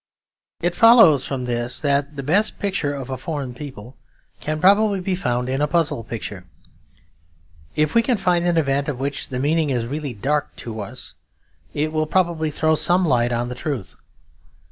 It follows from this that the best picture of a foreign people can probably be found in a puzzle picture. If we can find an event of which the meaning is really dark to us, it will probably throw some light on the truth.